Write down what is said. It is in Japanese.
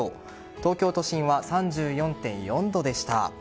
東京都心は３４．４度でした。